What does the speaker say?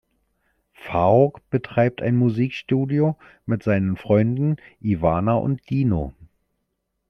Faruk betreibt ein Musikstudio mit seinen Freunden Ivana und Dino.